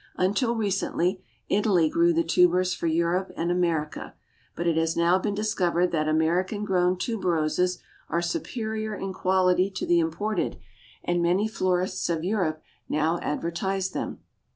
Until recently Italy grew the tubers for Europe and America, but it has now been discovered that American grown tuberoses are superior in quality to the imported, and many florists of Europe now advertise them.